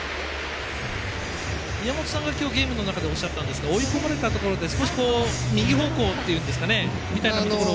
宮本さんが今日ゲームの中でおっしゃったんですが追い込まれた中で少し、右方向みたいなところ。